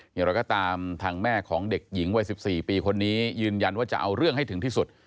อย่างไรก็ตามทางแม่ของเด็กหญิงวัย๑๔ปีคนนี้ยืนยันว่าจะเอาเรื่องให้ถึงที่สุด